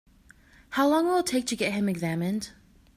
How long will it take to get him examined?